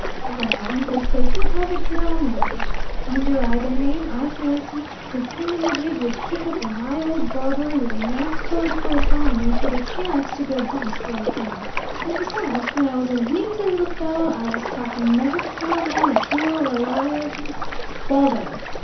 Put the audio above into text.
"Well, uncle Phaeton, have it your own way. Under either name, I fancy the thing a ma jig would kick up a high old bobbery with a man's political economy should it chance to go bu'st right there! And, besides, when I was a weenty little fellow I was taught never to call a man a fool or a liar " "Waldo!"